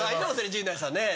陣内さんね。